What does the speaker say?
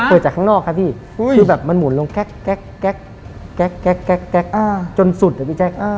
จากข้างนอกครับพี่คือแบบมันหมุนลงแก๊กจนสุดอะพี่แจ๊ค